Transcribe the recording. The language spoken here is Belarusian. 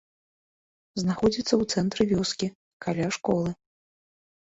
Знаходзіцца ў цэнтры вёскі, каля школы.